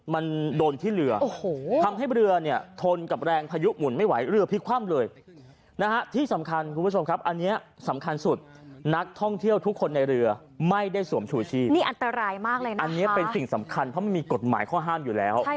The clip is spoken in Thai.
มันโดนทิ้งเรือทำให้เรือคลนกับแรงภายุหมุนไม่ไหว